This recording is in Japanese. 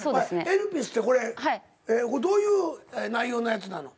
「エルピス」ってこれどういう内容のやつなの？